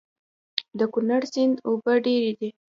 د کونړ سيند اوبه ډېرې دي